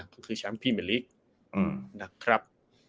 ก็คือแชมป์พรีเมอร์ลิกนะครับ